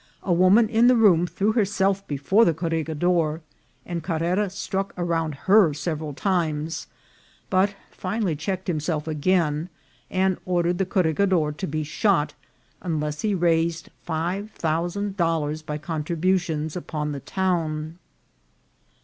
A woman in the room threw herself before the corregidor, and Carrera struck around her several times, but finally checked himself again, and ordered the corregidor to be shot unless he raised five thousand dollars by contributions upon the town.